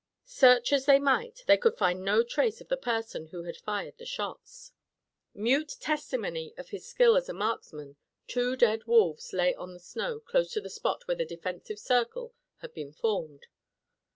Search as they might, they could find no trace of the person who had fired the shots. Mute testimony of his skill as a marksman, two dead wolves lay on the snow close to the spot where the defensive circle had been formed.